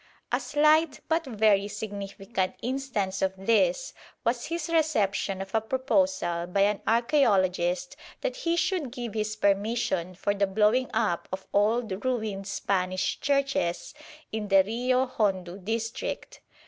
A slight but very significant instance of this was his reception of a proposal by an archæologist that he should give his permission for the blowing up of old ruined Spanish churches in the Rio Hondu district.